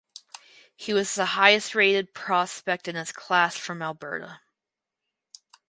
He was the highest rated prospect in his class from Alberta.